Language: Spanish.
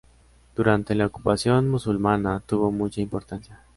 Durante la ocupación musulmana tuvo mucha importancia.